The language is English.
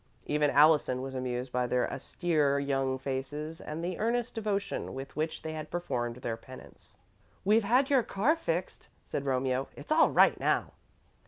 Even Allison was amused by their austere young faces and the earnest devotion with which they had performed their penance. "We've had your car fixed," said Romeo. "It's all right now."